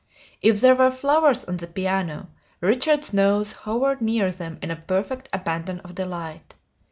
If there were flowers on the piano, Richard's nose hovered near them in a perfect abandon of delight.